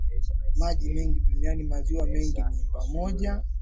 maji mengi duniani Maziwa mengine ni pamoja